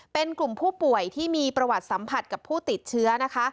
เป็นกลุ่มผู้ป่วยที่มีประวัติสัมผัสกับผู้ติดเชื้อนะคะ